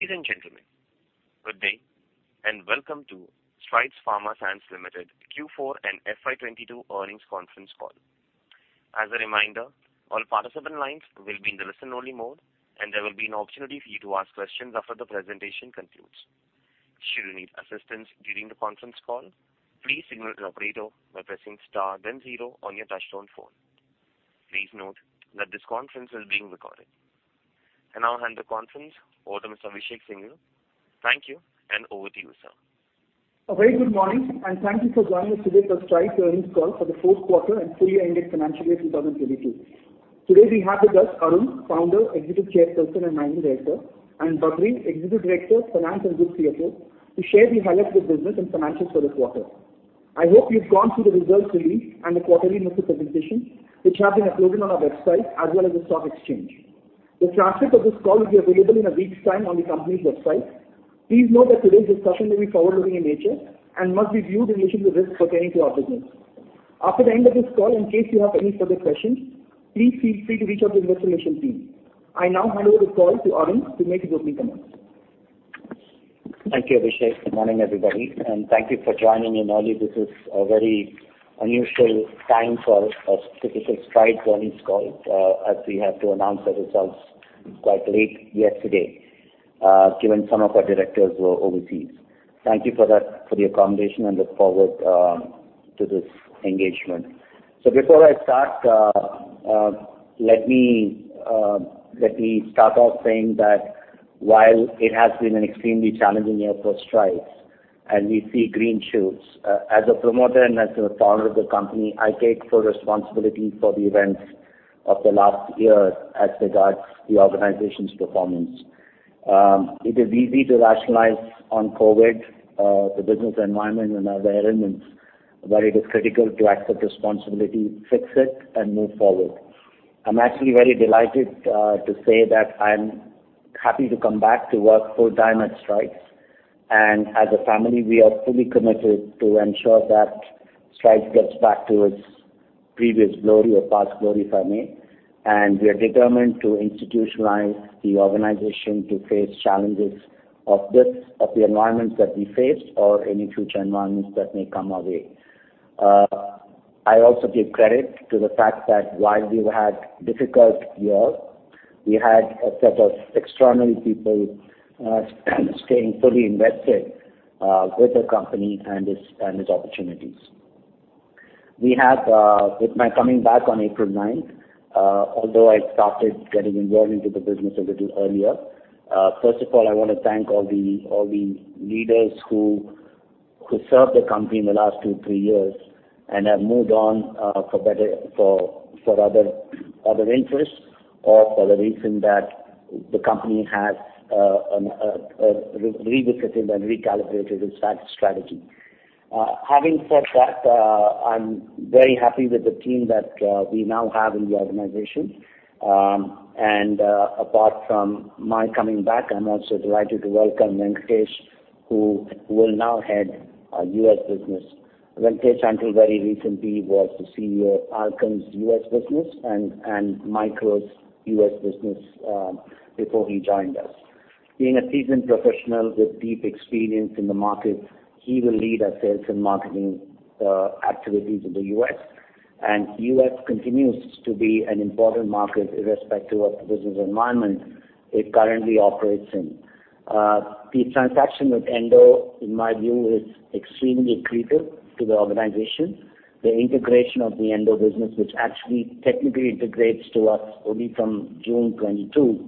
Ladies and gentlemen, good day, and welcome to Strides Pharma Science Limited Q4 and FY 2022 earnings conference call. As a reminder, all participant lines will be in the listen-only mode, and there will be an opportunity for you to ask questions after the presentation concludes. Should you need assistance during the conference call, please signal the operator by pressing star then zero on your touchtone phone. Please note that this conference is being recorded. I now hand the conference over to Mr. Abhishek Singhal. Thank you, and over to you, sir. A very good morning, and thank you for joining us today for Strides earnings call for the fourth quarter and full year ended financial year 2022. Today, we have with us Arun, Founder, Executive Chairperson, and Managing Director, and Badree, Executive Director, Finance and Group CFO, to share the highlights of business and financials for this quarter. I hope you've gone through the results released and the quarterly notes for presentation, which have been uploaded on our website as well as the stock exchange. The transcript of this call will be available in a week's time on the company's website. Please note that today's discussion will be forward-looking in nature and must be viewed in relation to risk pertaining to our business. After the end of this call, in case you have any further questions, please feel free to reach out to the Investor Relations team. I now hand over the call to Arun to make his opening comments. Thank you, Abhishek. Good morning, everybody, and thank you for joining in early. This is a very unusual time for typical Strides earnings call, as we have to announce our results quite late yesterday, given some of our directors were overseas. Thank you for that, for the accommodation and look forward to this engagement. Before I start, let me start off saying that while it has been an extremely challenging year for Strides, and we see green shoots, as a promoter and as a founder of the company, I take full responsibility for the events of the last year as regards the organization's performance. It is easy to rationalize on COVID, the business environment and other elements, but it is critical to accept responsibility, fix it and move forward. I'm actually very delighted to say that I'm happy to come back to work full time at Strides. As a family, we are fully committed to ensure that Strides gets back to its previous glory or past glory, if I may. We are determined to institutionalize the organization to face challenges of the environments that we face or any future environments that may come our way. I also give credit to the fact that while we've had difficult year, we had a set of extraordinary people staying fully invested with the company and its opportunities. We have with my coming back on April ninth, although I started getting involved into the business a little earlier. First of all, I wanna thank all the leaders who served the company in the last two to three years and have moved on for other interests or for the reason that the company has revisited and recalibrated its strategy. Having said that, I'm very happy with the team that we now have in the organization. Apart from my coming back, I'm also delighted to welcome Venkatesh, who will now head our U.S. business. Venkatesh until very recently was the CEO of Alkem's U.S. business and Mylan's U.S. business before he joined us. Being a seasoned professional with deep experience in the market, he will lead our sales and marketing activities in the U.S. U.S. continues to be an important market irrespective of the business environment it currently operates in. The transaction with Endo, in my view, is extremely accretive to the organization. The integration of the Endo business, which actually technically integrates to us only from June 2022,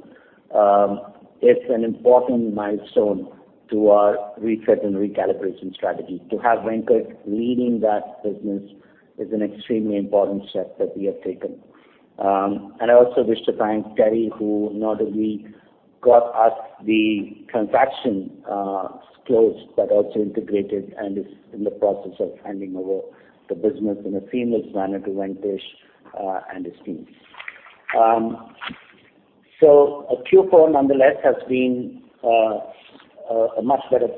is an important milestone to our reset and recalibration strategy. To have Venkatesh leading that business is an extremely important step that we have taken. I also wish to thank Terry, who not only got us the transaction closed, but also integrated and is in the process of handing over the business in a seamless manner to Venkatesh and his team. Q4, nonetheless, has been a much better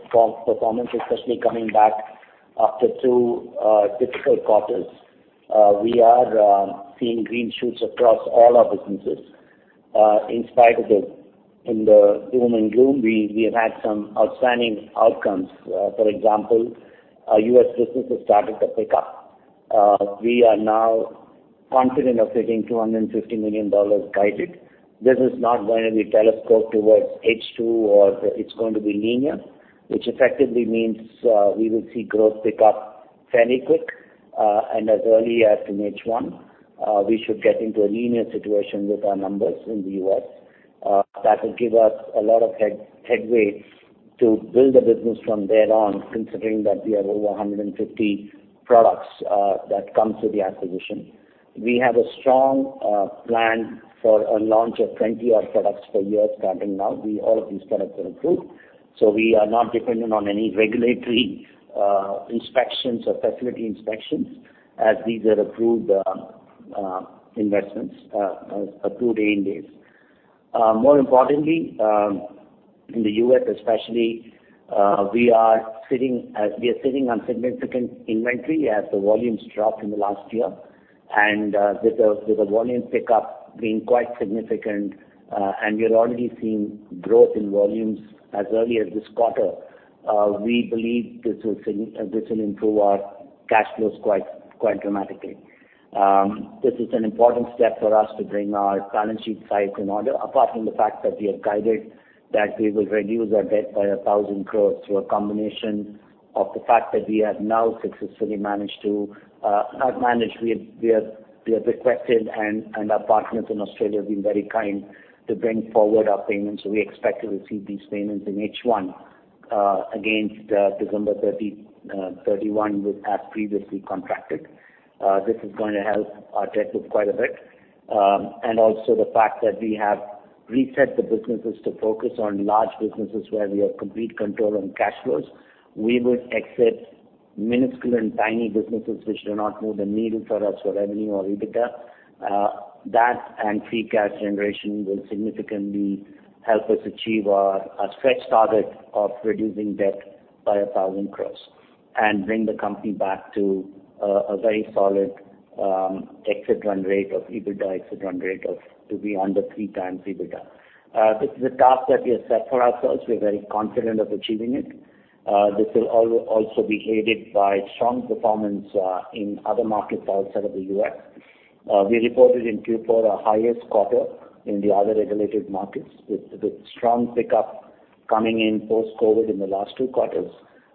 performance, especially coming back after two difficult quarters. We are seeing green shoots across all our businesses. In spite of the doom and gloom, we have had some outstanding outcomes. For example, our U.S. business has started to pick up. We are now confident of hitting $250 million guided. This is not going to be telescoped towards H2 or it's going to be linear, which effectively means, we will see growth pick up fairly quick, and as early as in H1, we should get into a linear situation with our numbers in the U.S.. That will give us a lot of headway to build the business from there on, considering that we have over 150 products that comes with the acquisition. We have a strong plan for a launch of 20-odd products for years starting now. All of these products are approved. We are not dependent on any regulatory inspections or facility inspections as these are approved ANDAs. More importantly, in the U.S. especially, we are sitting on significant inventory as the volumes dropped in the last year. With the volume pickup being quite significant, and we are already seeing growth in volumes as early as this quarter, we believe this will improve our cash flows quite dramatically. This is an important step for us to bring our balance sheet size in order, apart from the fact that we have guided that we will reduce our debt by 1,000 crore through a combination of the fact that we have requested and our partners in Australia have been very kind to bring forward our payments, so we expect to receive these payments in H1 against December 31 as previously contracted. This is going to help with our debt quite a bit, and also the fact that we have reset the businesses to focus on large businesses where we have complete control on cash flows. We won't accept minuscule and tiny businesses which do not move the needle for us for revenue or EBITDA. That and free cash generation will significantly help us achieve our stretch target of reducing debt by 1,000 crore and bring the company back to a very solid exit run rate of EBITDA to be under 3x EBITDA. This is a task that we have set for ourselves. We're very confident of achieving it. This will also be aided by strong performance in other markets outside of the U.S. We reported in Q4 our highest quarter in the other regulated markets with strong pickup coming in post-COVID in the last two quarters,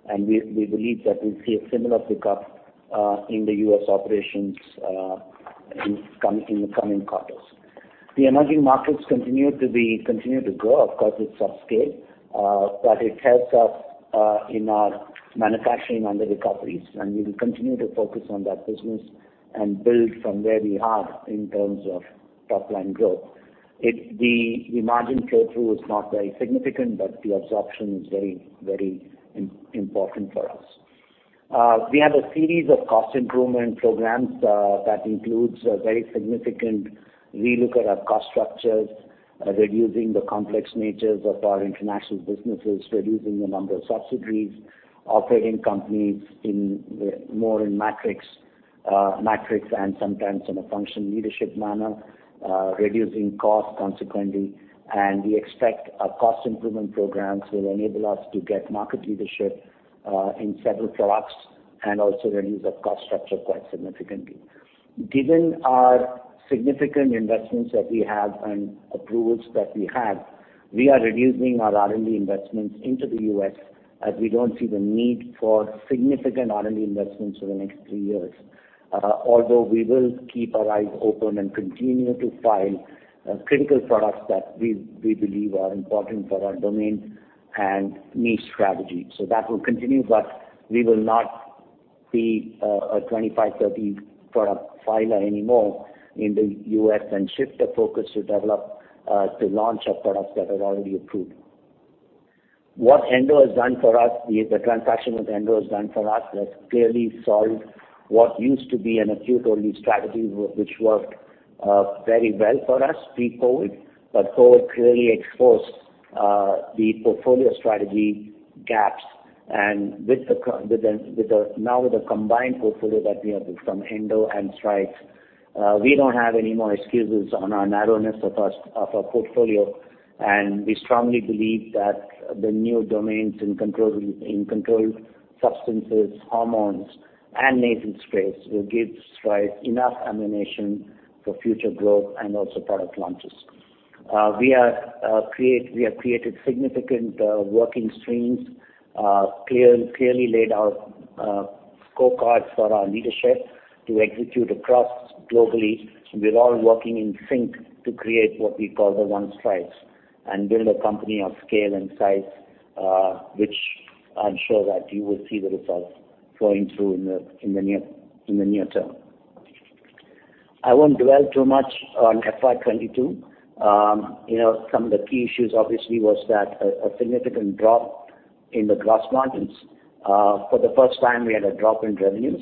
and we believe that we'll see a similar pickup in the U.S. operations in the coming quarters. The emerging markets continue to grow. Of course, it's off scale, but it helps us in our manufacturing and the recoveries, and we will continue to focus on that business and build from where we are in terms of top line growth. The margin flow through is not very significant, but the absorption is very important for us. We have a series of cost improvement programs that includes a very significant relook at our cost structures, reducing the complex natures of our international businesses, reducing the number of subsidiaries, operating companies in a more matrix and sometimes in a functional leadership manner, reducing costs consequently. We expect our cost improvement programs will enable us to get market leadership in several products and also reduce our cost structure quite significantly. Given our significant investments that we have and approvals that we have, we are reducing our R&D investments into the U.S. as we don't see the need for significant R&D investments over the next three years. Although we will keep our eyes open and continue to file critical products that we believe are important for our domain and niche strategy. That will continue, but we will not be a 25, 30 product filer anymore in the U.S. and shift the focus to develop to launch our products that are already approved. The transaction with Endo has clearly solved what used to be an acute-only strategy which worked very well for us pre-COVID, but COVID clearly exposed the portfolio strategy gaps. With the combined portfolio that we have from Endo and Strides, we don't have any more excuses on our narrowness of our portfolio, and we strongly believe that the new domains in controlled substances, hormones, and nasal sprays will give Strides enough ammunition for future growth and also product launches. We have created significant work streams, clearly laid out scorecards for our leadership to execute across globally. We're all working in sync to create what we call the One Strides and build a company of scale and size, which I'm sure that you will see the results flowing through in the near term. I won't dwell too much on FY 2022. You know, some of the key issues obviously was that a significant drop in the gross margins. For the first time, we had a drop in revenues,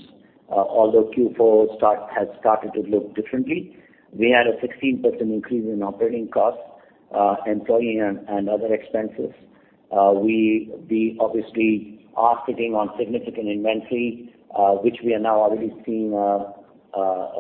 although Q4 has started to look differently. We had a 16% increase in operating costs, employee and other expenses. We obviously are sitting on significant inventory, which we are now already seeing a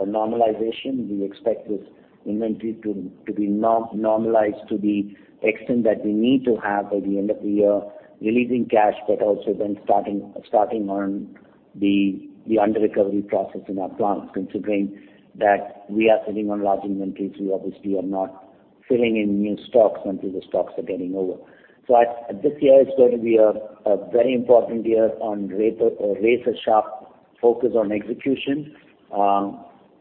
normalization. We expect this inventory to be normalized to the extent that we need to have by the end of the year, releasing cash, but also then starting on the under recovery process in our plants. Considering that we are sitting on large inventories, we obviously are not filling in new stocks until the stocks are getting over. This year is going to be a very important year with razor-sharp focus on execution,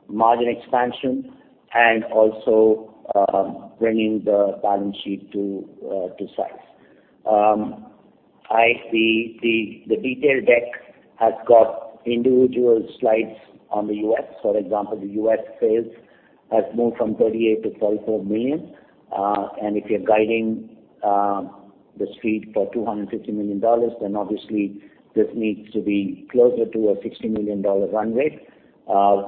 margin expansion, and also bringing the balance sheet to size. I see the detail deck has got individual slides on the U.S. For example, the U.S. sales have moved from $38 million to $44 million. And if you're guiding the street for $250 million, then obviously this needs to be closer to a $60 million run rate.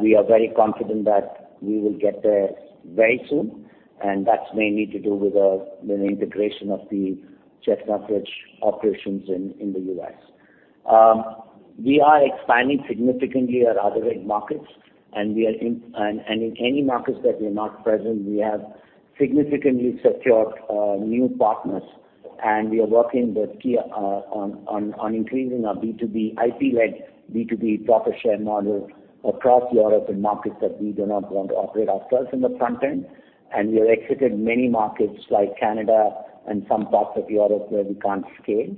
We are very confident that we will get there very soon, and that's mainly to do with the integration of the generic operations in the U.S. We are expanding significantly our other reg markets, and in any markets that we're not present, we have significantly secured new partners, and we are working with Kia on increasing our B2B IP-led B2B profit share model across Europe and markets that we do not want to operate ourselves in the front end. We have exited many markets like Canada and some parts of Europe where we can't scale.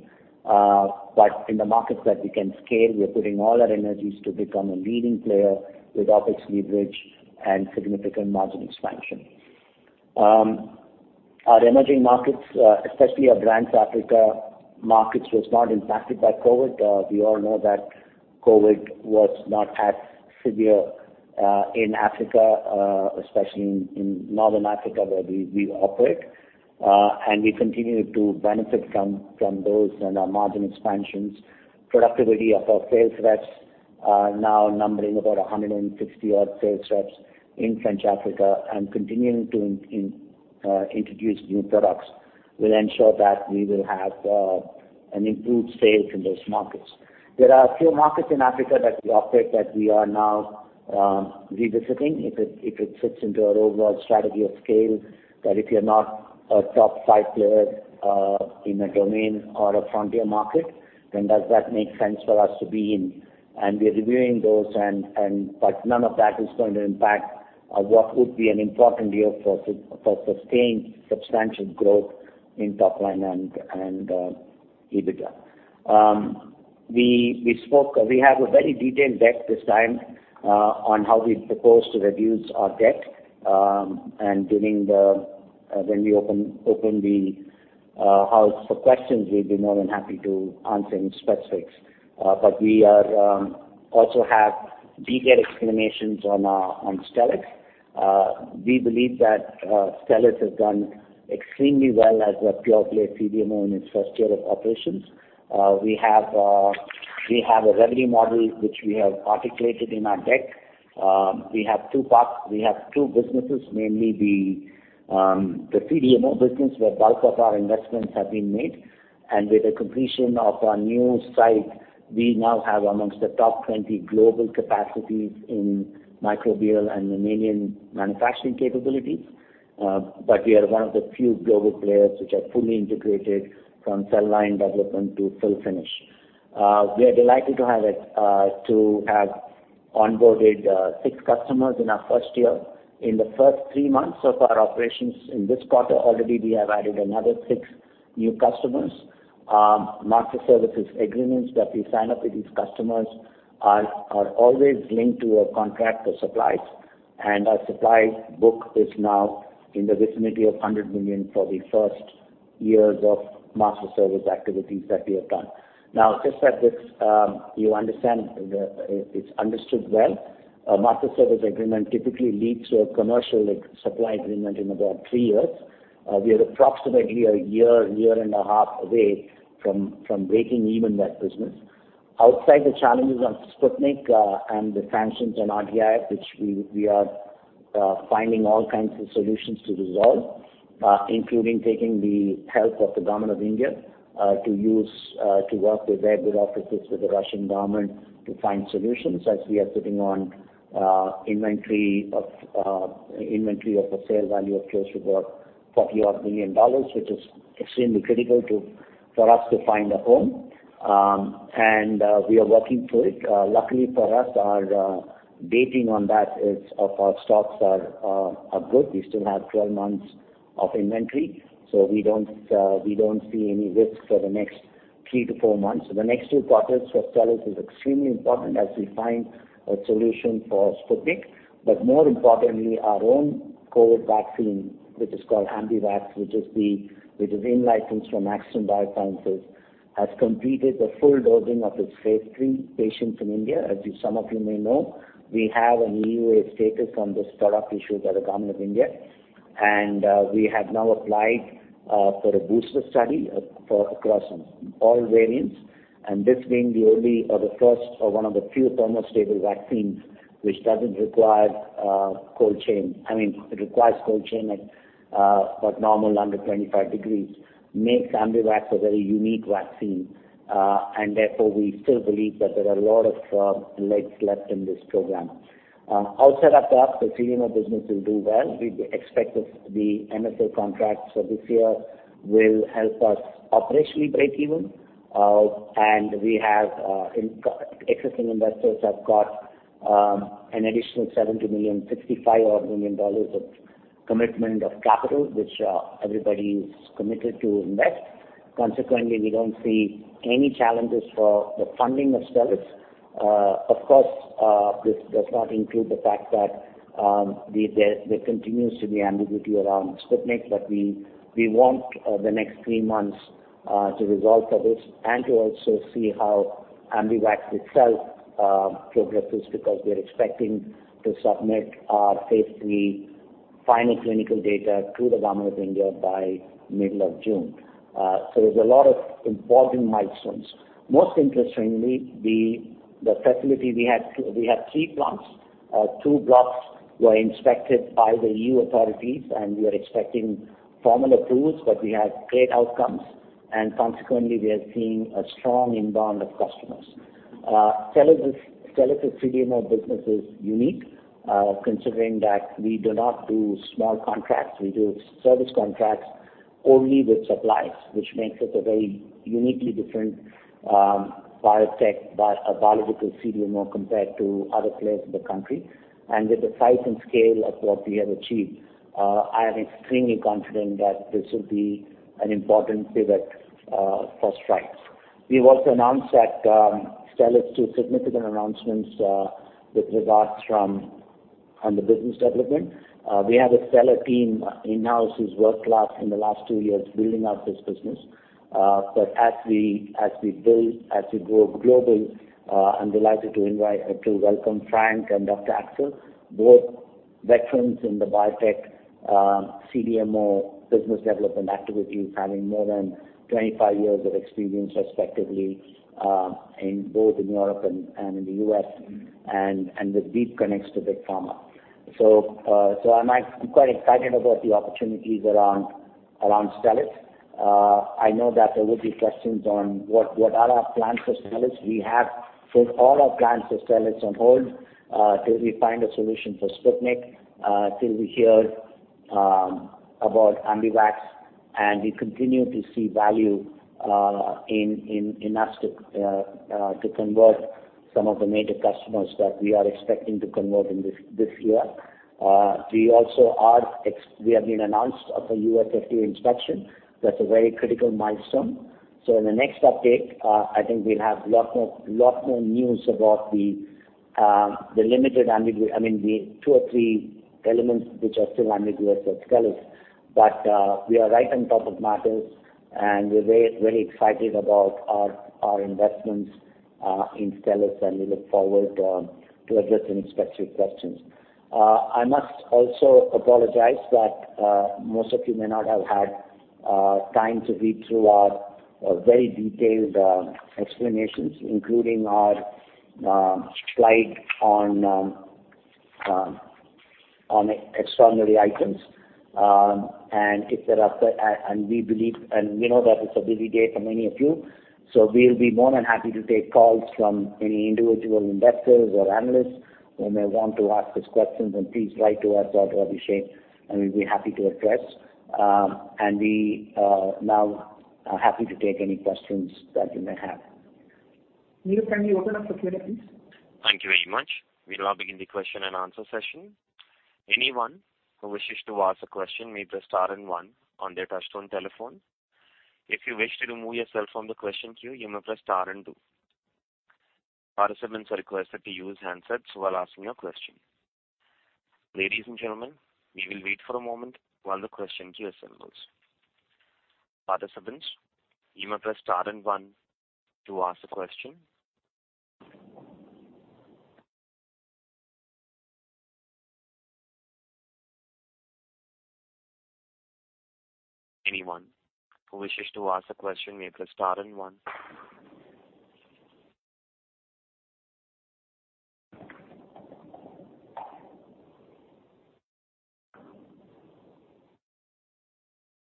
In the markets that we can scale, we're putting all our energies to become a leading player with OpEx leverage and significant margin expansion. Our emerging markets, especially our Francophone Africa markets, were not impacted by COVID. We all know that COVID was not as severe in Africa, especially in North Africa where we operate. We continue to benefit from those and our margin expansions. Productivity of our sales reps are now numbering about 160 sales reps in Francophone Africa and continuing to introduce new products will ensure that we will have an improved sales in those markets. There are a few markets in Africa that we operate that we are now revisiting. If it fits into our overall strategy of scale, that if you're not a top five player in a domain or a frontier market, then does that make sense for us to be in? We are reviewing those, but none of that is going to impact what would be an important year for sustained substantial growth in top-line and EBITDA. We have a very detailed deck this time on how we propose to reduce our debt. When we open the house for questions, we'd be more than happy to answer any specifics. We also have detailed explanations on Stelis. We believe that Stelis has done extremely well as a pure play CDMO in its first year of operations. We have a revenue model, which we have articulated in our deck. We have two parts. We have two businesses, namely the CDMO business where the bulk of our investments have been made. With the completion of our new site, we now have among the top 20 global capacities in microbial and mammalian manufacturing capabilities. But we are one of the few global players which are fully integrated from cell line development to fill finish. We are delighted to have onboarded six customers in our first year. In the first three months of our operations in this quarter, we have already added another six new customers. Master services agreements that we sign up with these customers are always linked to a contract of supplies, and our supply book is now in the vicinity of 100 million for the first years of master service activities that we have done. Now, just that this, you understand it's understood well, a master service agreement typically leads to a commercial, like, supply agreement in about three years. We are approximately a year and a half away from breaking even that business. Outside the challenges on Sputnik and the sanctions on RDIF, which we are finding all kinds of solutions to resolve, including taking the help of the Government of India to work with their good offices with the Russian government to find solutions as we are sitting on inventory of a sale value of close to about $40 million, which is extremely critical for us to find a home. We are working through it. Luckily for us, our dating on that is, our stocks are good. We still have 12 months of inventory, so we don't see any risk for the next three to four months. The next two quarters for Stelis is extremely important as we find a solution for Sputnik. But more importantly, our own COVID vaccine, which is called AmbiVax, which is in-licensed from Akston Biosciences, has completed the full dosing of its Phase III patients in India. As some of you may know, we have an EUA status on this product issued by the government of India. We have now applied for a booster study for across all variants. This being the only or the first or one of the few thermostable vaccines which doesn't require cold chain, I mean, it requires cold chain at what normal under 25 degrees, makes AmbiVax a very unique vaccine. Therefore, we still believe that there are a lot of legs left in this program. Outside of that, the CDMO business will do well. We expect the MSA contracts for this year will help us operationally break even. We have existing investors have got an additional $70 million, $65 odd million of commitment of capital, which everybody's committed to invest. Consequently, we don't see any challenges for the funding of Stelis. Of course, this does not include the fact that there continues to be ambiguity around Sputnik. We want the next three months to resolve this and to also see how AmbiVax itself progresses because we're expecting to submit our phase III final clinical data to the government of India by the middle of June. There's a lot of important milestones. Most interestingly, the facility had three plants. Two blocks were inspected by the EU authorities, and we are expecting formal approvals, but we have had great outcomes. Consequently, we are seeing a strong inbound of customers. Stelis CDMO's business is unique, considering that we do not do small contracts. We do service contracts only with suppliers, which makes us a very unique different biotech biological CDMO compared to other players in the country. With the size and scale of what we have achieved, I am extremely confident that this will be an important pivot for Strides. We've also announced that Stelis, two significant announcements with regards to the business development. We have a stellar team in-house who's worked in the last two years building out this business. But as we build, as we go global, I'm delighted to welcome Frank and Dr. Axel, both veterans in the biotech CDMO business development activities, having more than 25 years of experience respectively in both Europe and in the U.S and with deep connects to big pharma. I'm quite excited about the opportunities around Stelis. I know that there will be questions on what are our plans for Stelis. We have put all our plans for Stelis on hold till we find a solution for Sputnik till we hear about AmbiVax. We continue to see value in Stelis to convert some of the major customers that we are expecting to convert in this year. We have been advised of a US FDA inspection. That's a very critical milestone. In the next update, I think we'll have lot more news about the, I mean, the two or three elements which are still ambiguous at Stelis. We are right on top of matters, and we're very excited about our investments in Stelis, and we look forward to addressing specific questions. I must also apologize that most of you may not have had time to read through our very detailed explanations, including our slide on extraordinary items. We believe, and we know that it's a busy day for many of you, so we'll be more than happy to take calls from any individual investors or analysts who may want to ask these questions. Please write to us or Abhishek, and we'll be happy to address. We now are happy to take any questions that you may have. Neel, can you open up for Q&A, please? Thank you very much. We now begin the question-and-answer session. Anyone who wishes to ask a question may press star and one on their touchtone telephone. If you wish to remove yourself from the question queue, you may press star and two. Participants are requested to use handsets while asking a question. Ladies and gentlemen, we will wait for a moment while the question queue assembles. Participants, you may press star and one to ask a question. Anyone who wishes to ask a question may press star and one.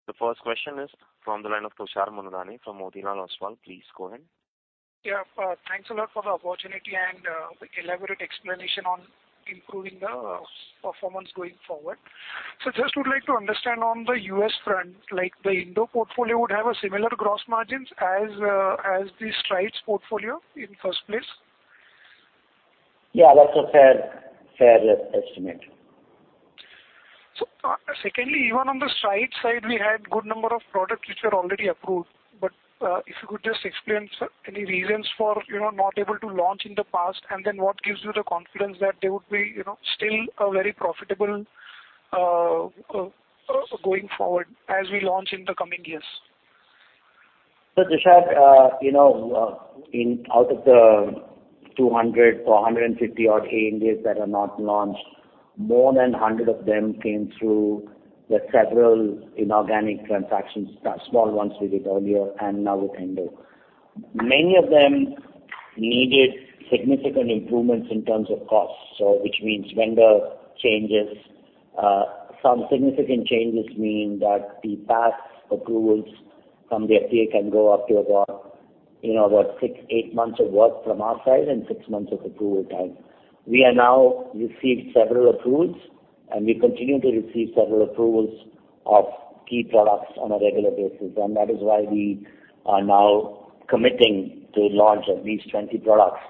The first question is from the line of Tushar Manudhane from Motilal Oswal. Please go ahead. Yeah. Thanks a lot for the opportunity and the elaborate explanation on improving the performance going forward. I would like to understand on the U.S. front, like the Endo portfolio would have a similar gross margin as the Strides portfolio in the first place. Yeah, that's a fair estimate. secondly, even on the Strides side, we had good number of products which are already approved, but if you could just explain, sir, any reasons for, you know, not able to launch in the past, and then what gives you the confidence that they would be, you know, still very profitable, going forward as we launch in the coming years? Tushar, out of the 200 or 150-odd ANDAs that are not launched, more than 100 of them came through the several inorganic transactions, small ones we did earlier, and now with Endo. Many of them needed significant improvements in terms of costs, which means vendor changes. Some significant changes mean that the past approvals from the FDA can go up to about six to eight months of work from our side and six months of approval time. We have now received several approvals, and we continue to receive several approvals for key products on a regular basis. That is why we are now committing to launch at least 20 products,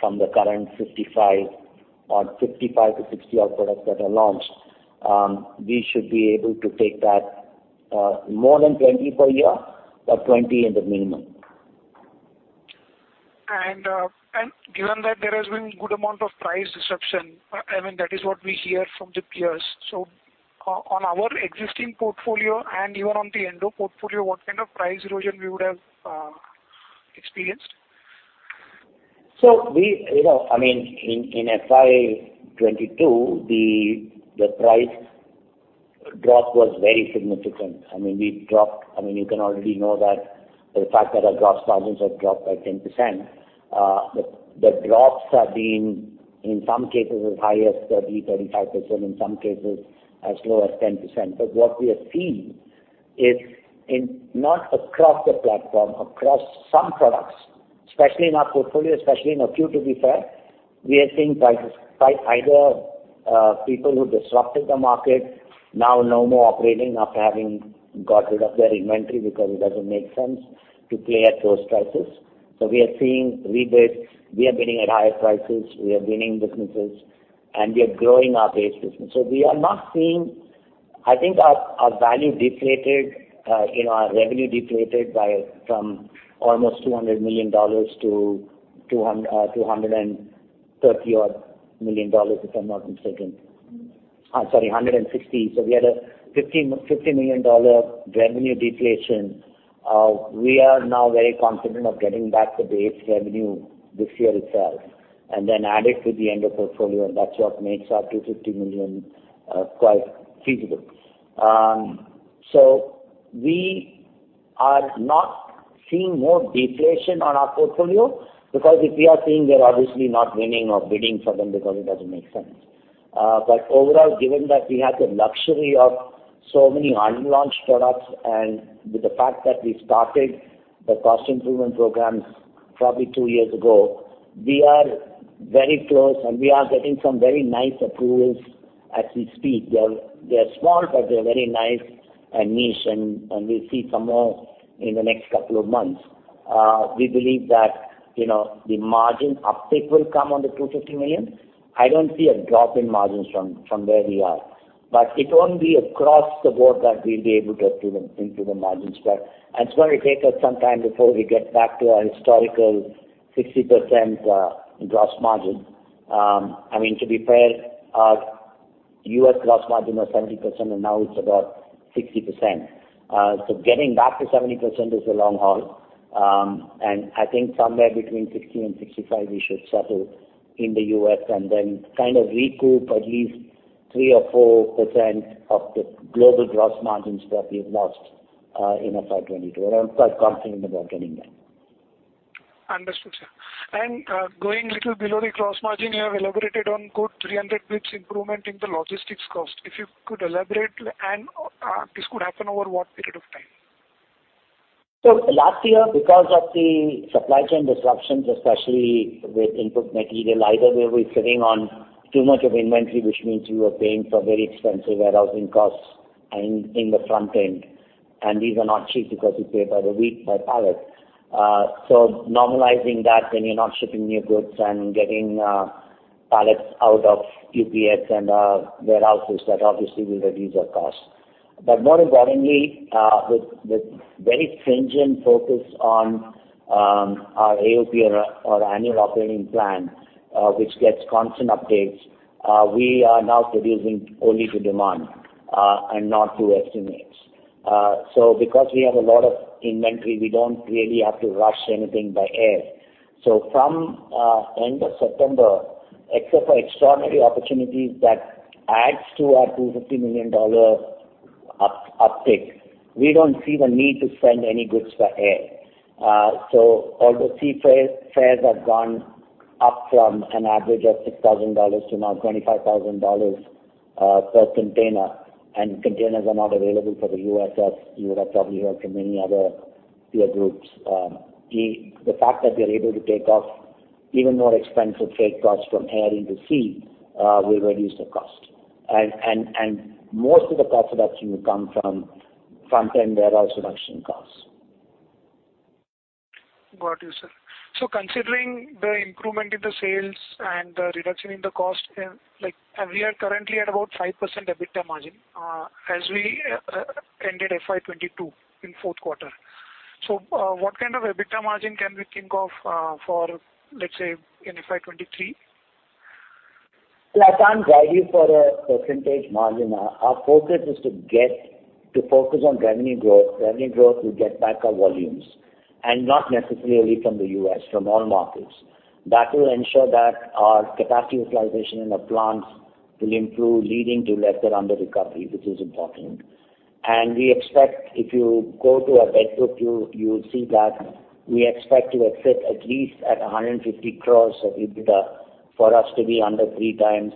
from the current 55, or 55 to 60-odd products that are launched. We should be able to take that, more than 20 per year or 20 in the minimum. Given that there has been a good amount of price disruption, I mean, that is what we hear from the peers. On our existing portfolio and even on the Endo portfolio, what kind of price erosion would we have experienced? We, you know, I mean, in FY 2022, the price drop was very significant. I mean, you can already know that the fact that our gross margins have dropped by 10%. The drops have been, in some cases, as high as 30%-35%, in some cases, as low as 10%. What we have seen is not across the platform, across some products, especially in our portfolio, especially in our Q2. To be fair, we are seeing prices either by people who disrupted the market now no longer operating after having gotten rid of their inventory because it doesn't make sense to play at those prices. We are seeing rebids. We are bidding at higher prices. We are winning businesses, and we are growing our base business. We are not seeing. I think our value deflated, you know, our revenue deflated from almost $200 million to $230 million, if I'm not mistaken. Sorry, $160. We had a $50 million revenue deflation. We are now very confident of getting back the base revenue this year itself, and then adding it to the end of the portfolio, and that's what makes our $250 million quite feasible. We are not seeing more deflation in our portfolio because if we are seeing it, we are obviously not winning or bidding for them because it doesn't make sense. Overall, given that we have the luxury of so many unlaunched products and the fact that we started the cost improvement programs probably two years ago, we are very close, and we are getting some very nice approvals as we speak. They're small, but they're very nice and niche, and we'll see some more in the next couple of months. We believe that, you know, the margin uptick will come on the $250 million. I don't see a drop in margins from where we are. It won't be across the board that we'll be able to improve the margins, but it's gonna take us some time before we get back to our historical 60% gross margin. I mean, to be fair, our U.S. gross margin was 70%, and now it's about 60%. Getting back to 70% is a long haul. I think somewhere between 60%-65% we should settle in the U.S. and then kind of recoup at least 3%-4% of the global gross margins that we've lost in FY 2022. I'm quite confident about getting there. Understood, sir. Going a little below the gross margin, you have elaborated on a 300 basis points improvement in the logistics cost. If you could elaborate, and this could happen over what period of time? Last year, because of the supply chain disruptions, especially with input material, either we were sitting on too much of inventory, which means you were paying for very expensive warehousing costs, and in the front end, these are not cheap because you pay by the week by pallet. Normalizing that when you're not shipping new goods and getting pallets out of 3PL and warehouses, that obviously will reduce our costs. More importantly, with very stringent focus on our AOP or our annual operating plan, which gets constant updates, we are now producing only to demand and not to estimates. Because we have a lot of inventory, we don't really have to rush anything by air. From end of September, except for extraordinary opportunities that adds to our $250 million uptick, we don't see the need to spend any more for air. Although sea freight has gone up from an average of $6,000 to now $25,000 per container, and containers are not available for the U.S. You would have probably heard from many other peer groups. The fact that we are able to take off even more expensive freight costs from air into sea will reduce the cost. Most of the cost reduction will come from front-end warehouse reduction costs. Got you, sir. Considering the improvement in the sales and the reduction in the cost, like we are currently at about 5% EBITDA margin, as we ended FY 2022 in fourth quarter. What kind of EBITDA margin can we think of, for, let's say, in FY 2023? Well, I can't guide you for a percentage margin. Our focus is to get to focus on revenue growth. Revenue growth will get back our volumes, and not necessarily from the U.S., from all markets. That will ensure that our capacity utilization in our plants will improve, leading to less under recovery, which is important. We expect that if you go to our debt book, you'll see that we expect to exit at least at 150 crores of EBITDA for us to be under 3x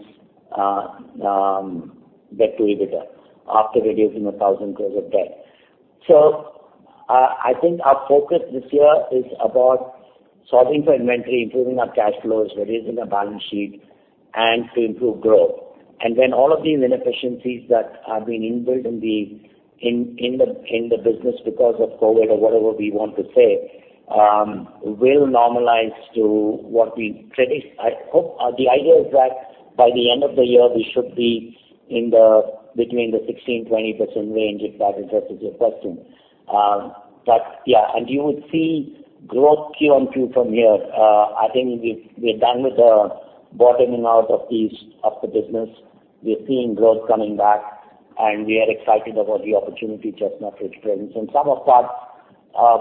debt to EBITDA after reducing 1,000 crores of debt. I think our focus this year is about solving for inventory, improving our cash flows, reducing our balance sheet, and improving growth. Then all of these inefficiencies that have been built into the company will get addressed. In the business, because of COVID or whatever we want to say, will normalize to what we predict. The idea is that by the end of the year, we should be in the 16%-20% range, if that addresses your question. Yeah, you would see growth Q-on-Q from here. I think we're done with the bottoming out of the business. We're seeing growth coming back, and we are excited about the opportunity Chestnut Ridge brings. In some of that,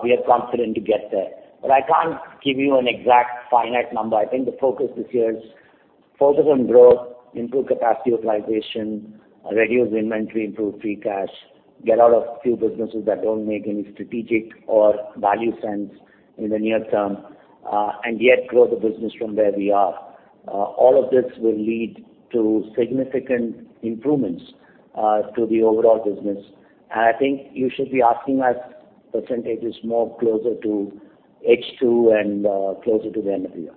we are confident to get there. I can't give you an exact finite number. I think the focus this year is on growth, improve capacity utilization, reduce inventory, improve free cash, get out of a few businesses that don't make any strategic or value sense in the near term, and yet grow the business from where we are. All of this will lead to significant improvements to the overall business. I think you should be asking us percentages more closer to H2 and closer to the end of the year.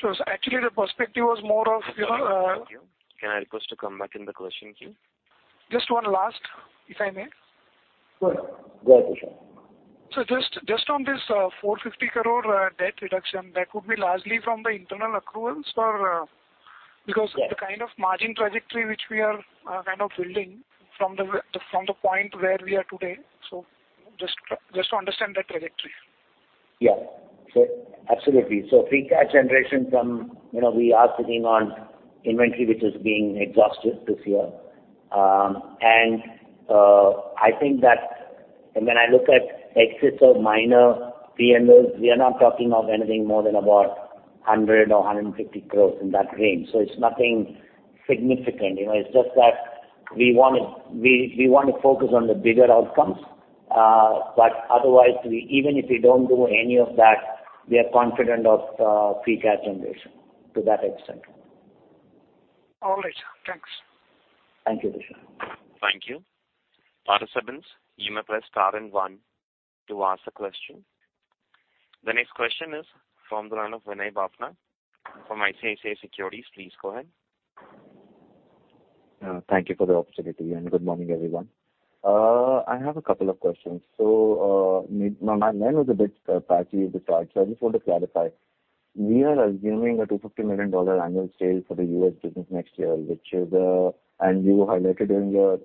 Sure. Actually, the perspective was more of yours, Can I request to come back in the question queue? Just one last, if I may. Sure. Go ahead, Tushar. Just on this, 450 crore debt reduction, that would be largely from the internal accruals or Yeah. Because the kind of margin trajectory that we are kind of building from the point where we are today. Just to understand that trajectory. Yeah. Absolutely. Free cash generation from, you know, we are sitting on inventory which is being exhausted this year. I think that when I look at exits of minor P&Ls, we are not talking of anything more than about 100-150 crores in that range. It's nothing significant. You know, it's just that we want to focus on the bigger outcomes. Otherwise, even if we don't do any of that, we are confident of free cash generation to that extent. All right, sir. Thanks. Thank you, Tushar. Thank you. Participants, you may press star and one to ask a question. The next question is from the line of Vinay Bafna from ICICI Securities. Please go ahead. Thank you for the opportunity, and good morning, everyone. I have a couple of questions. My line was a bit patchy at the start, so I just want to clarify. We are assuming a $250 million annual sales for the U.S. business next year, which is. You highlighted in your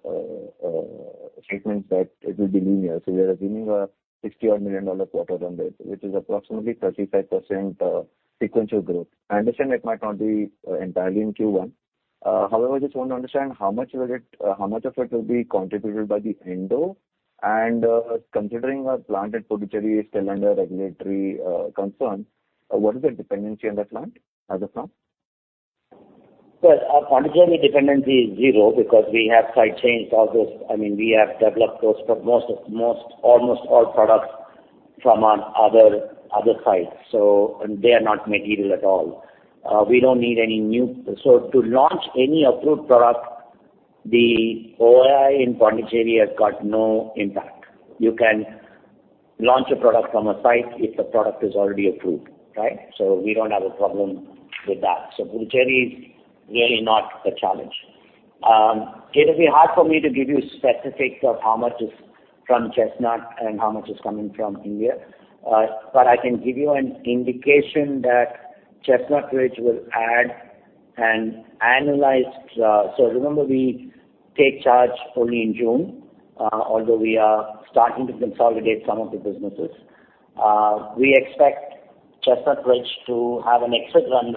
statements that it will be linear. We are assuming a $60-odd million quarter run rate, which is approximately 35% sequential growth. I understand it might not be entirely in Q1. However, I just want to understand how much of it will be contributed by the Endo. Considering our plant at Puducherry is still under regulatory concern, what is the dependency on that plant as of now? Well, our Puducherry dependency is zero because we have supply chains for those. I mean, we have developed those for almost all products from our other sites, so they are not material at all. We don't need anything new. To launch any approved product, the OAI in Puducherry has no impact. You can launch a product from a site if the product is already approved, right? We don't have a problem with that. Puducherry is really not a challenge. It'll be hard for me to give you specifics of how much is from Chestnut Ridge and how much is coming from India. But I can give you an indication that Chestnut Ridge will add an annualized. Remember, we take charge only in June, although we are starting to consolidate some of the businesses. We expect Chestnut Ridge to have an exit run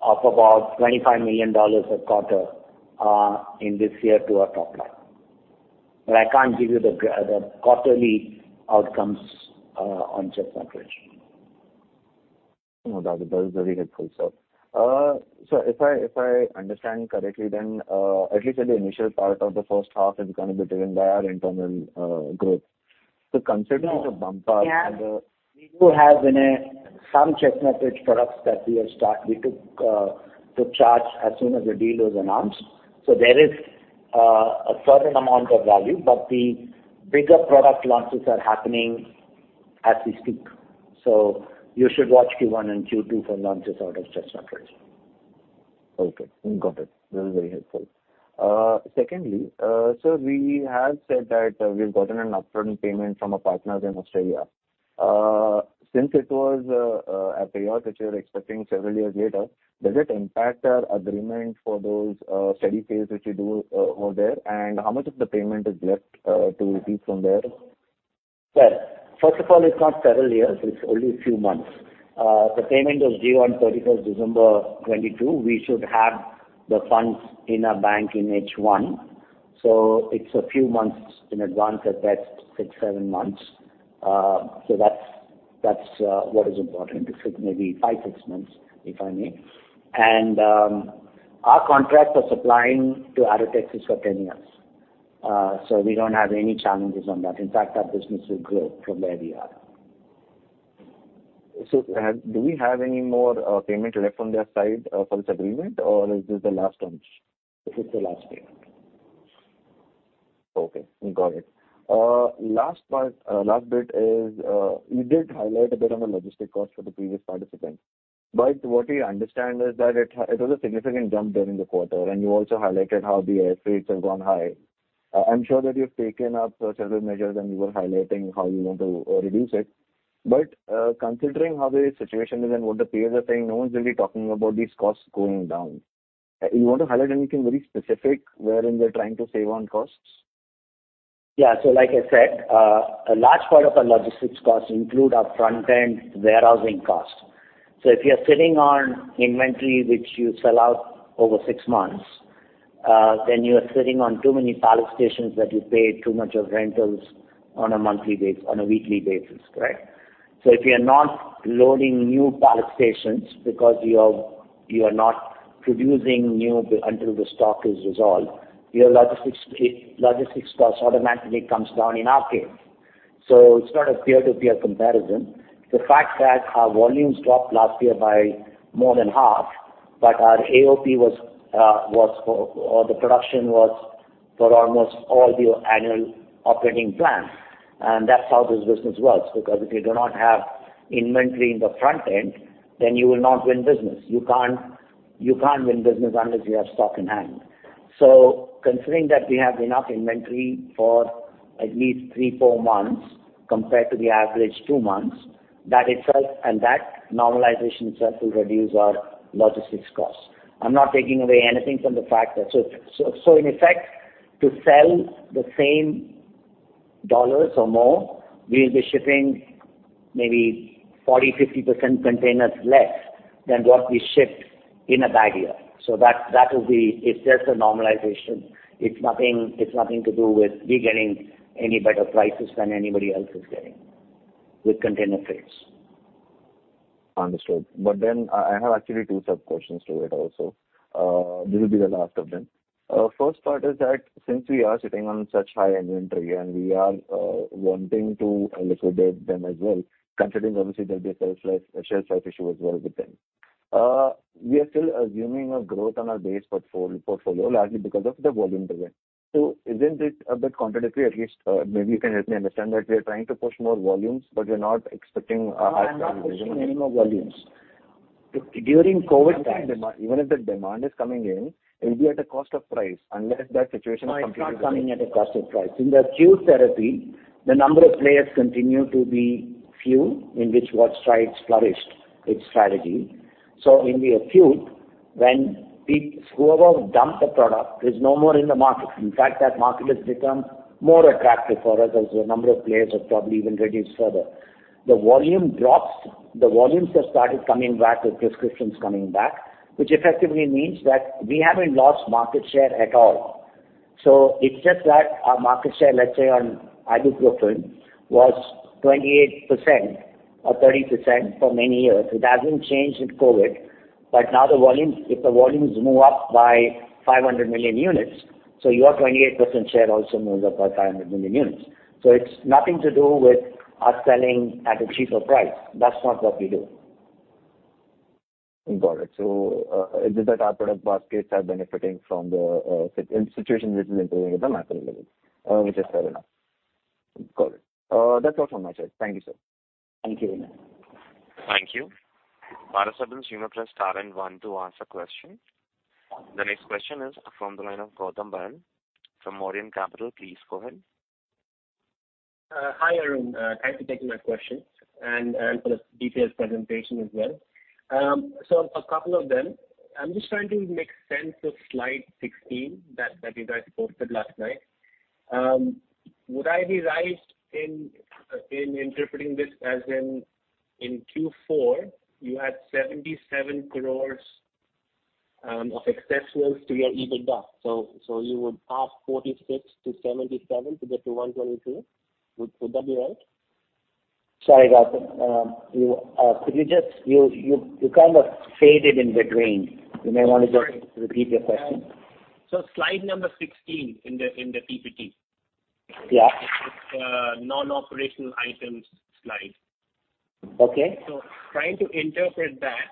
rate of about $25 million a quarter for our top line. I can't give you the quarterly outcomes on Chestnut Ridge. No, that's very helpful, sir. If I understand correctly, then at least the initial part of the first half is gonna be driven by our internal growth. Considering the bump up and the No. Yeah. We do have, Vinay, some Chestnut Ridge products that we took charge of as soon as the deal was announced. There is a certain amount of value, but the bigger product launches are happening as we speak. You should watch Q1 and Q2 for launches out of Chestnut Ridge. Okay. Got it. That is very helpful. Secondly, sir, we have said that we've gotten an upfront payment from our partners in Australia. Since it was a payout that you're expecting several years later, does it impact our agreement for the study phase that you do over there? How much of the payment is left to receive from there? Well, first of all, it's not several years, it's only a few months. The payment was due on December 31, 2022. We should have the funds in our bank in H1. It's a few months in advance. At best, six to seven months. That's what is important. It's maybe five to six months, if I may. Our contract to supply Arrotex for 10 years. We don't have any challenges on that. In fact, our business will grow from where we are. Do we have any more payments left from their side for this agreement, or is this the last tranche? This is the last payment. Okay, got it. Last part, last bit is, you did highlight a bit on the logistics cost for the previous participant. What we understand is that it was a significant jump during the quarter, and you also highlighted how the air freight has gone high. I'm sure that you've taken up several measures, and you were highlighting how you want to reduce it. Considering how the situation is and what the peers are saying, no one's really talking about these costs going down. You want to highlight anything very specific wherein we're trying to save on costs? Yeah. As I said, a large part of our logistics costs includes our front-end warehousing costs. If you're sitting on inventory that you sell out over six months, then you are sitting on too many pallet stations that you pay too much for rentals on a monthly basis, on a weekly basis, correct? If you're not loading new pallet stations because you're not producing new until the stock is resolved, your logistics cost automatically comes down, in our case. It's not a peer-to-peer comparison. The fact that our volumes dropped last year by more than half, but our AOP was for the production. The production was for almost all of your annual operating plan. That's how this business works, because if you do not have inventory in the front end, then you will not win business. You can't win business unless you have stock in hand. Considering that we have enough inventory for at least three to four months compared to the average two months, that itself. That normalization itself will reduce our logistics costs. I'm not taking away anything from the fact that, in effect, to sell the same dollars or more, we'll be shipping maybe 40%, 50% containers than what we shipped in a bad year. That will be. It's just a normalization. It's nothing to do with us getting any better prices than anybody else is getting with container rates. Understood. I actually have two sub-questions to it, also. This will be the last of them. First part is that since we are sitting on such high inventory and we want them as well, considering obviously there'll be a shelf life issue as well with them, we are still assuming a growth on our base portfolio largely because of the volume delay. Isn't it a bit contradictory at least, maybe you can help me understand that we are trying to push more volumes, but we're not expecting a high value- No, I'm not pushing any more volumes. During COVID times. Even if the demand is coming in, it'll be at a higher price unless that situation is completely resolved. No, it's not coming at a cost of price. In the acute therapy, the number of players continues to be few, in which Wockhardt thrived, its strategy. In the acute, when whoever dumped the product is no more in the market, in fact, that market has become more attractive for us as the number of players has probably even reduced further. The volume drops. The volumes have started coming back with prescriptions coming back, which effectively means that we haven't lost market share at all. It's just that our market share, let's say on Ibuprofen, was 28% or 30% for many years. It hasn't changed with COVID, but now the volumes, if the volumes move up by 500 million units, so your 28% share also moves up by 500 million units. It's nothing to do with us selling at a lower price. That's not what we do. Got it. It's just that our product baskets are benefiting from the situation, which is improving at the macro level. Which is fair enough. Got it. That's all from my side. Thank you, sir. Thank you. Thank you. Bharath Sesha, Sameer, please press star one to ask a question. The next question is from the line of Gautam Bhan from Moorings Capital. Please go ahead. Hi, Arun. Thanks for taking my questions and for the detailed presentation as well. A couple of them. I'm just trying to make sense of slide 16 that you guys posted last night. Would I be right in interpreting this as in Q4, you had 77 crore of exceptionals to your EBITDA? You would add 46 crore to 77 crore to get to 122 crore. Would that be right? Sorry, Gautam. Could you just? You kind of faded in between. You may wanna just. Sorry. Repeat your question. Slide number 16 in the PPT. Yeah. It's non-operational items slide. Okay. Trying to interpret that,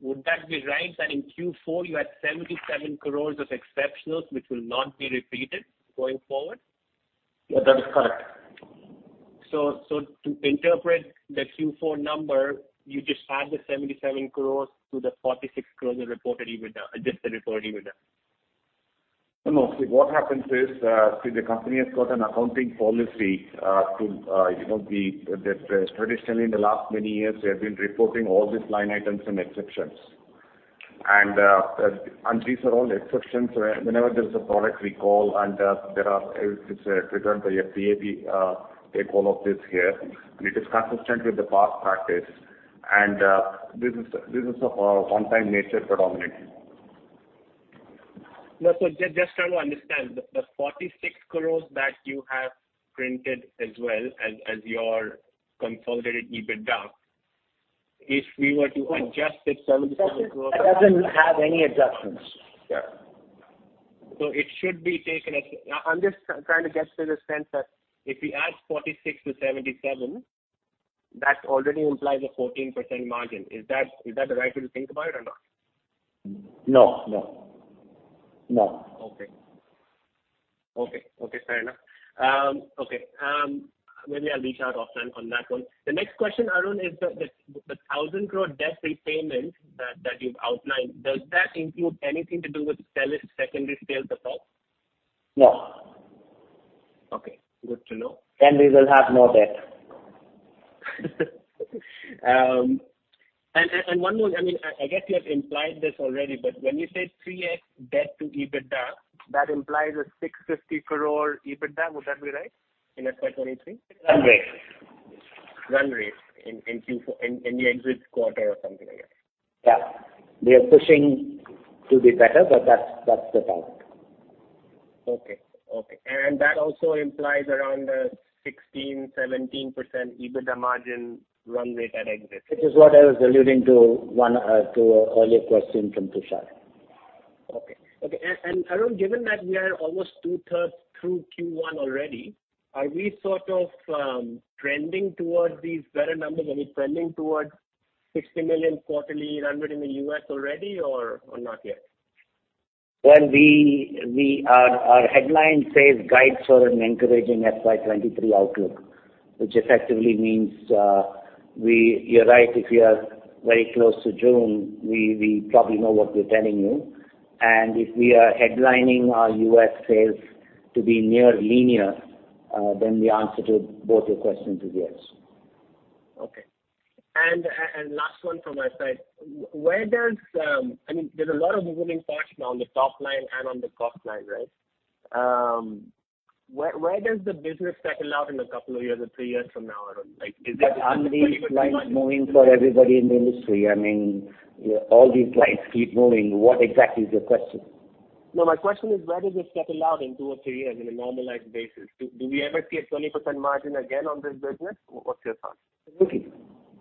would that be right that in Q4, you had 77 crore of exceptionals which will not be repeated going forward? Yeah, that is correct. To interpret the Q4 number, you just add the 77 crores to the 46 crores you reported for EBITDA, adjusted reported EBITDA. No, no. See, what happens is, see the company has got an accounting policy, you know, that traditionally in the last many years we have been reporting all these line items and exceptions. These are all exceptions. Whenever there's a product recall, and it's returned by the FDA, we take all of this here, and it is consistent with the past practice. This is of a one-time nature predominantly. No. Just trying to understand. The 46 crores that you have printed, as well as your consolidated EBITDA, if we were to adjust it to INR 77 crores. It doesn't have any adjustments. Yeah. It should be taken as. I'm just trying to get the sense that if we add 46 to 77, that already implies a 14% margin. Is that the right way to think about it or not? No. Okay, fair enough. Okay, maybe I'll reach out offline on that one. The next question, Arun, is the 1,000 crore debt repayment that you've outlined. Does that include anything to do with Stelis secondary sales at all? No. Okay, good to know. We will have no debt. One more, I mean, I guess you have implied this already, but when you said 3x debt to EBITDA, that implies a 650 crore EBITDA, would that be right in FY 2023? Run rate. Run rate in Q4, in the exit quarter or something like that? Yeah. We are pushing to be better, but that's the target. Okay. That also implies around 16%-17% EBITDA margin run rate at exit. Which is what I was alluding to an earlier question from Tushar. Okay, Arun, given that we are almost two-thirds through Q1 already, are we sort of trending towards these better numbers? Are we trending towards $60 million quarterly run rate in the U.S. already or not yet? Well, our headline says guidance for an encouraging FY 2023 outlook, which effectively means. You're right, if we are very close to June, we probably know what we're telling you. If we are headlining our U.S. sales to be near linear, then the answer to both your questions is yes. Okay. Last one from my side. Where does, I mean, there's a lot of moving parts now on the top line and on the cost line, right? Where does the business settle out in a couple of years or three years from now, Arun? Like, is it? Aren't these lines moving for everybody in the industry? I mean, all these lines keep moving. What exactly is your question? No, my question is, where does it settle out in two or three years in a normalized basis? Do we ever see a 20% margin again on this business? What's your thought?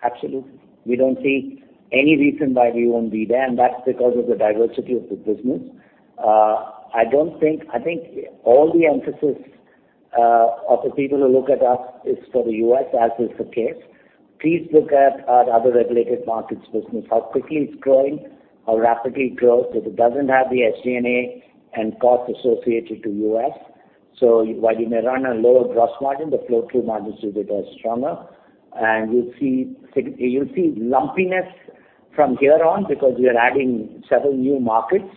Absolutely. We don't see any reason why we won't be there, and that's because of the diversity of the business. I think all the emphasis of the people who look at us is for the U.S., as is the case. Please look at our other regulated markets business, how quickly it's growing, how rapidly it grows. It doesn't have the SG&A and costs associated to U.S. While you may run a lower gross margin, the flow through margins to it are stronger. You'll see lumpiness from here on because we are adding several new markets,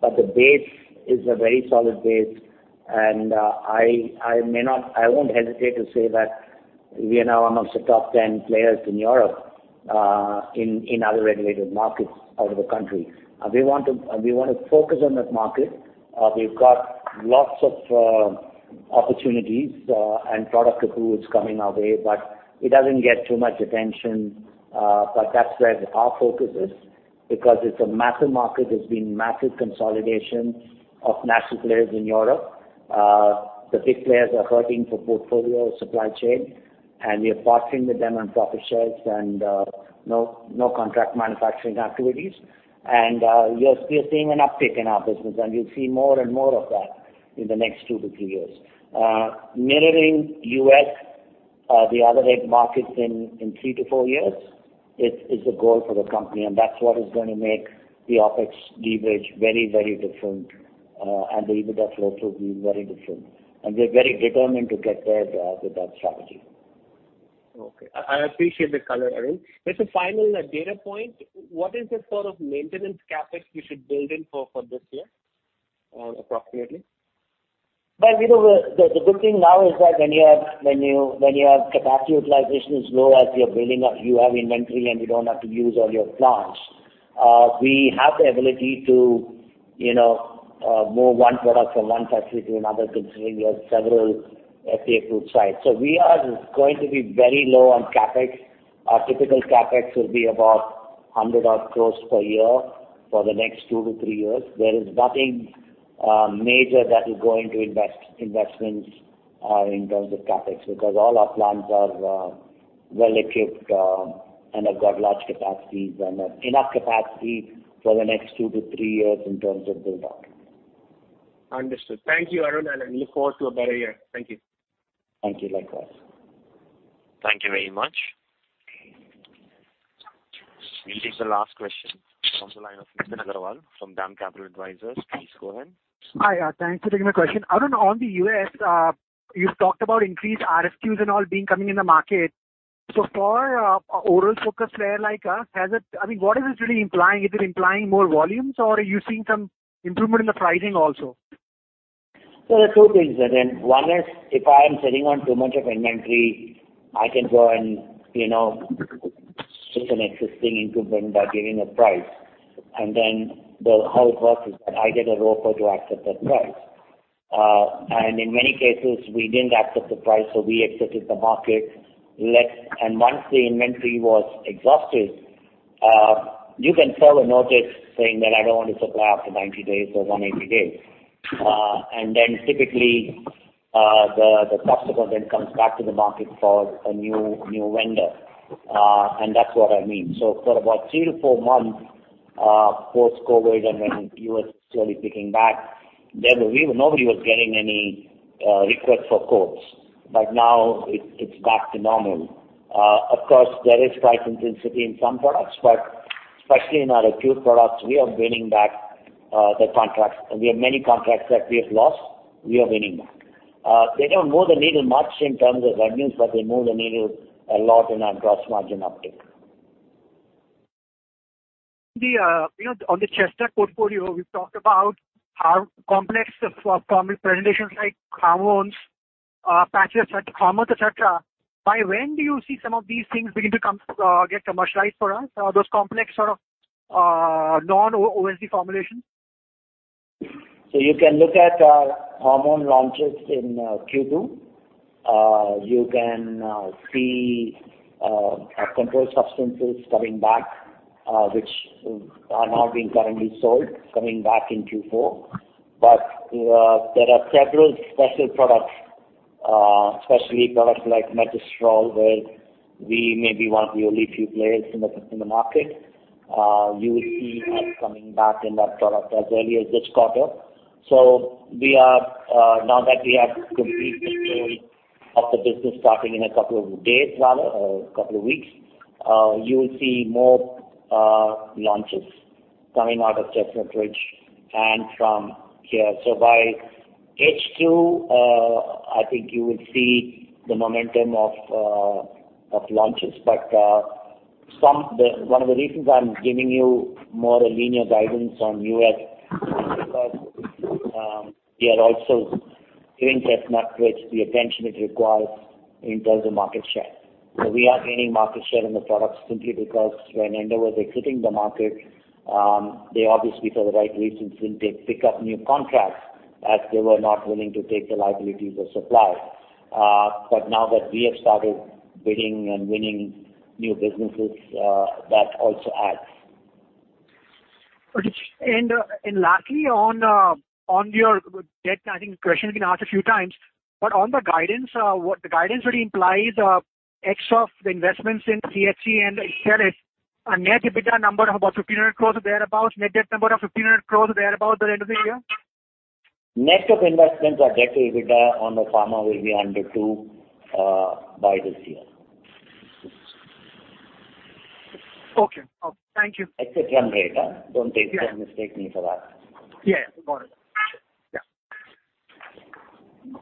but the base is a very solid base and I won't hesitate to say that we are now amongst the top ten players in Europe, in other regulated markets out of the country. We want to focus on that market. We've got lots of opportunities and product approvals coming our way, but it doesn't get too much attention, but that's where our focus is because it's a massive market. There's been massive consolidation of massive players in Europe. The big players are hurting for portfolio supply chain, and we are partnering with them on profit shares and no contract manufacturing activities. You're seeing an uptick in our business, and you'll see more and more of that in the next two to three years. Mirroring US, the other reg markets in three to four years is a goal for the company, and that's what is gonna make the OpEx leverage very, very different, and the EBITDA flow to be very different. We're very determined to get there with that strategy. Okay. I appreciate the color, Arun. Just a final data point. What is the sort of maintenance CapEx we should build in for this year, approximately? You know, the good thing now is that when you have capacity utilization as low as you're building up, you have inventory and you don't have to use all your plants. We have the ability to, you know, move one product from one factory to another considering we have several FDA approved sites. We are going to be very low on CapEx. Our typical CapEx will be about 100-odd crores per year for the next two to three years. There is nothing major that will go into investments in terms of CapEx, because all our plants are well-equipped and have got large capacities and enough capacity for the next two to three years in terms of build up. Understood. Thank you, Arun, and I look forward to a better year. Thank you. Thank you. Likewise. Thank you very much. We'll take the last question from the line of Nitin Agarwal from DAM Capital Advisors. Please go ahead. Hi. Thanks for taking my question. Arun, in the U.S., you've talked about increased RFQs and all being coming into the market. For an oral-focused player like us, I mean, what is this really implying? Is it implying more volumes, or are you seeing some improvement in the pricing also? There are two things, Nitin. One is if I am sitting on too much of the inventory, I can go and, you know, switch an existing improvement by giving a price. Then, how it works is that I get an ROFO to accept that price. In many cases, we didn't accept the price, so we accepted the market price less. Once the inventory is exhausted, you can serve a notice saying that you don't want to supply after 90 days or 180 days. Then, typically, the customer comes back to the market for a new vendor. That's what I mean. For about three to four months, post-COVID, and when the U.S. was slowly kicking back, there really was nobody getting any requests for quotes. Now it's back to normal. Of course, there is price intensity in some products, but especially in our acute products, we are winning back the contracts. We have many contracts that we have lost; we are winning back. They don't move the needle much in terms of revenues, but they move the needle a lot in our gross margin uptick. You know, on the Chestnut portfolio, we've talked about how complex the presentations, like hormones, patches, such as Bayer. When do you see some of these things begin to get commercialized for us, those complex, sort of non-OD formulations? You can look at our hormone launches in Q2. You can see our controlled substances coming back, which are now being currently sold, coming back in Q4. There are several specialty products, especially products like Megestrol, where we may be one of the only few players in the U.S. market. You will see us coming back in that product as early as this quarter. We are now that we have complete control of the business starting in a couple of days rather or a couple of weeks, you will see more launches coming out of Chestnut Ridge and from here. By H2, I think you will see the momentum of launches. One of the reasons I'm giving you more linear guidance on U.S. is because we are also giving Chestnut Ridge the attention it requires in terms of market share. We are gaining market share in the products simply because when Endo was exiting the market, they obviously for the right reasons, didn't pick up new contracts as they were not willing to take the liabilities or supply. Now that we have started bidding and winning new businesses, that also adds. Okay. Lastly on your debt, I think the question has been asked a few times, but on the guidance, what the guidance really implies, ex of the investments in Stelis and here is a net EBITDA number of about 1,500 crores or thereabout, net debt number of 1,500 crores or thereabout for end of the year? Net of investments, our debt to EBITDA on the pharma will be under two by this year. Okay. Thank you. Etc. data. Don't take. Yeah. Don't mistake me for that. Yeah. Got it. Sure. Yeah.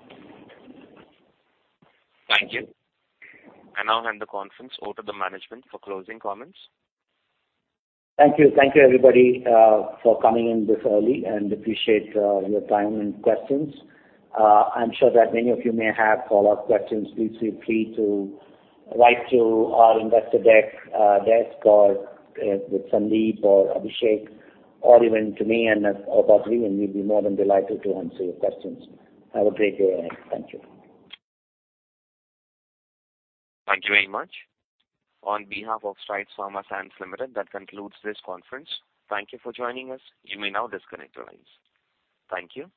Thank you. I now hand the conference over to the management for closing comments. Thank you, everybody, for coming in this early, and appreciate your time and questions. I'm sure that many of you may have follow-up questions. Please feel free to write to our investor desk or with Sandeep, Abhishek, or even to me, or Badree, and we'd be more than delighted to answer your questions. Have a great day ahead. Thank you. Thank you very much. On behalf of Strides Pharma Science Limited, that concludes this conference. Thank you for joining us. You may now disconnect your lines. Thank you.